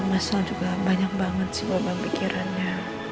masalah juga banyak banget sih beban pikirannya